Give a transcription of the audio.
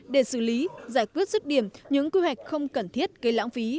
để xử lý giải quyết rứt điểm những quy hoạch không cần thiết gây lãng phí